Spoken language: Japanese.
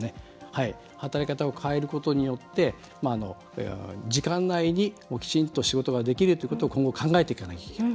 働き方を変えることによって、時間内にきちんと仕事ができるということを今後、考えていかなきゃいけない。